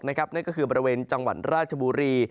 นั่นก็คือบริเวณจังหวัดราชบุรี